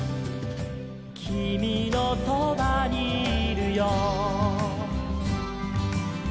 「きみのそばにいるよ」